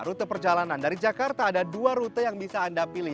rute perjalanan dari jakarta ada dua rute yang bisa anda pilih